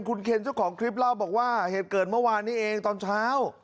คุณเคนเจ้าของคลิปเล่าบอกว่าเหตุเกิดเมื่อวานนี้เองตอนเช้า